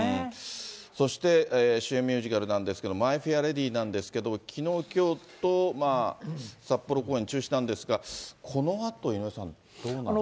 そして、主演ミュージカルなんですが、マイ・フェア・レディなんですけれども、きのう、きょうと札幌公演中止なんですが、このあと井上さん、どうなるんですか？